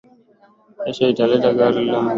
Kesho nitaleta gari langu hapa